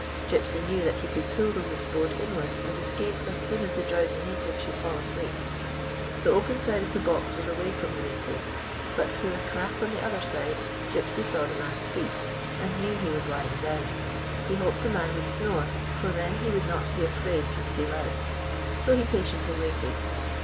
Gypsy knew that he could pull the loose board inward and escape as soon as the drowsy native should fall asleep. The open side of the box was away from the native; but through a crack on the other side Gypsy saw the man's feet, and knew he was lying down. He hoped the man would snore, for then he would not be afraid to steal out. So he patiently waited.